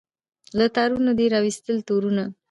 له تارونو دي را وایستل تورونه